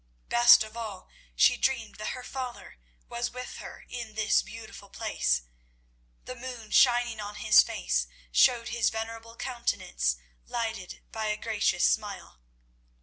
Best of all, she dreamed that her father was with her in this beautiful place. The moon shining on his face showed his venerable countenance lighted by a gracious smile.